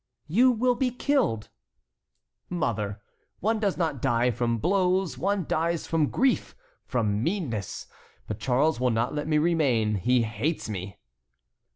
"You will be killed." "Mother, one does not die from blows; one dies from grief, from meanness. But Charles will not let me remain; he hates me."